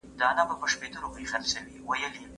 که پوهه وي نو ماشومان نه بې سواده کیږي.